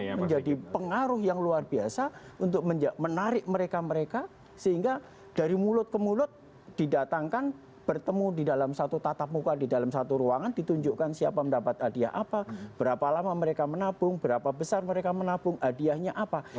ini menjadi pengaruh yang luar biasa untuk menarik mereka mereka sehingga dari mulut ke mulut didatangkan bertemu di dalam satu tatap muka di dalam satu ruangan ditunjukkan siapa mendapat hadiah apa berapa lama mereka menabung berapa besar mereka menabung hadiahnya apa